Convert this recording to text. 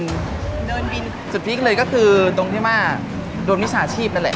เดินบินสุดพีคเลยก็คือตรงที่ว่าโดนวิชาชีพนั่นแหละ